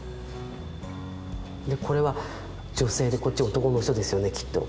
でこれは女性でこっち男の人ですよねきっと。